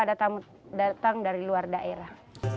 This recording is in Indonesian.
desa pitu sungguh